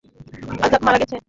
অ্যাজাক মারা গেছে।